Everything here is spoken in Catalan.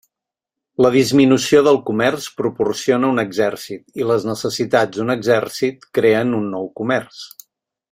La disminució del comerç proporciona un exèrcit i les necessitats d'un exèrcit creen un nou comerç.